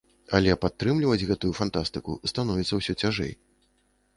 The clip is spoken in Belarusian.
Але падтрымліваць гэтую фантастыку становіцца ўсё цяжэй.